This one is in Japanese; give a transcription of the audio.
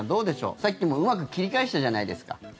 さっきもうまく切り返したじゃないですか。